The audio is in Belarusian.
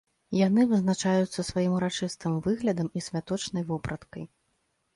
Яны вызначаюцца сваім урачыстым выглядам і святочнай вопраткай.